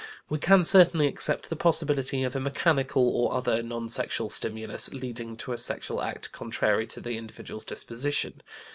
We can certainly accept the possibility of a mechanical or other non sexual stimulus leading to a sexual act contrary to the individual's disposition.